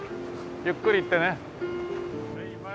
ゆっくり行ってね。